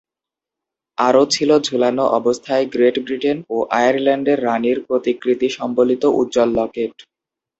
আরো ছিলো ঝুলানো অবস্থায় গ্রেট-ব্রিটেন ও আয়ারল্যান্ডের রানীর প্রতিকৃতি সম্বলিত উজ্জ্বল লকেট।